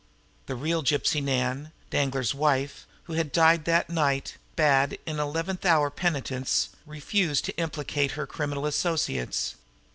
The real Gypsy Nan, Danglar's wife, who had died that night, bad, even in eleventh hour penitence, refused to implicate her criminal associates.